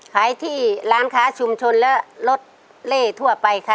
ขายที่ร้านค้าชุมชนและรถเล่ทั่วไปค่ะ